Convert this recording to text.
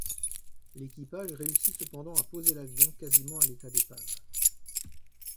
L'équipage réussit cependant à poser l'avion quasiment à l'état d'épave.